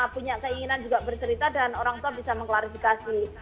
punya keinginan juga bercerita dan orang tua bisa mengklarifikasi